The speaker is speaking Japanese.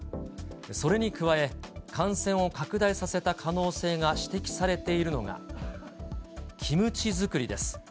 それに加え、感染を拡大させた可能性が指摘されているのが、キムチ作りです。